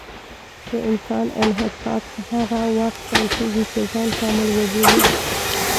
د انسان انحطاط هغه وخت پیل کېږي چې ځان کامل وبولي.